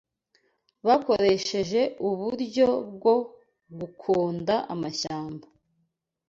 bakoresheje uburyo bwo gukonda amashyamba